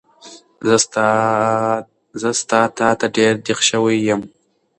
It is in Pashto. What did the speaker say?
زه ستا تاته ډېر دیغ شوی یم